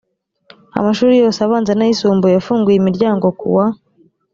amashuri yose abanza n ayisumbuye yafunguye imiryango ku wa